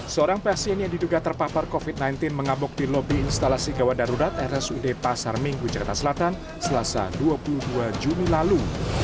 seorang pasien yang diduga terpapar covid sembilan belas mengamuk di lobi instalasi gawat darurat rsud pasar minggu jakarta selatan selasa dua puluh dua juni lalu